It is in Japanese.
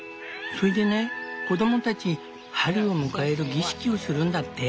それでね子供たち春を迎える儀式をするんだって。